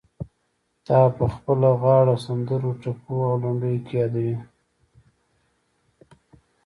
تا به په خپلو غاړو، سندرو، ټپو او لنډيو کې يادوي.